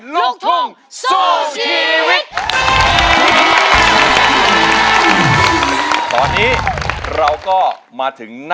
ลงทุ่ง